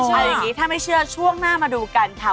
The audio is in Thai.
เอาอย่างนี้ถ้าไม่เชื่อช่วงหน้ามาดูกันค่ะ